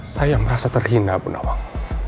saya merasa terhina pun nawang